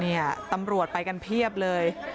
เนี่ยตำรวจไปกันเพียบเลย